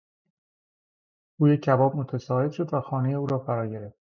بوی کباب متصاعد شد و خانه را فراگرفت.